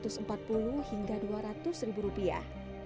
hasil dari penjualannya digunakan untuk biaya operasional